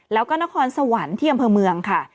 แล้วก็นครสวรรค์ที่อำเภอเมืองค่ะ